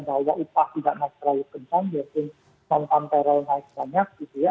bahwa upah tidak naik terlalu kencang yaitu nonton payroll naik banyak